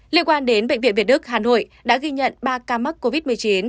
liên quan đến bệnh viện việt đức hà nội đã ghi nhận ba ca mắc covid một mươi chín